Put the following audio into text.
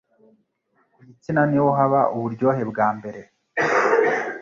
ku gitsina niho haba uburyohe bwambere